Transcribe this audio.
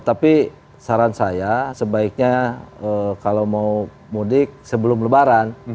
tapi saran saya sebaiknya kalau mau mudik sebelum lebaran